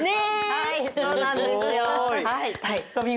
はいそうなんですよ。